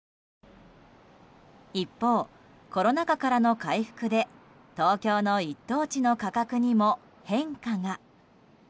一方、コロナ禍からの回復で東京の一等地の価格にも変化が。